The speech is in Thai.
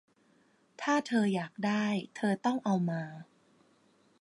ถ้าเธออยากได้ เธอต้องเอามา